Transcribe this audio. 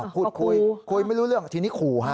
พูดคุยคุยไม่รู้เรื่องทีนี้ขู่ฮะ